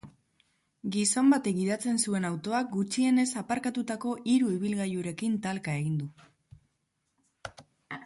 Gizon batek gidatzen zuen autoak gutxienez aparkatutako hiru ibilgailurekin talka egin du.